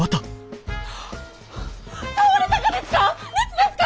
倒れたがですか？